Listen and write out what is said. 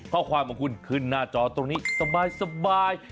ข้อความของคุณขึ้นหน้าจอตรงนี้สบาย